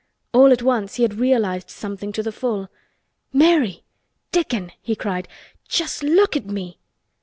All at once he had realized something to the full. "Mary! Dickon!" he cried. "Just look at me!"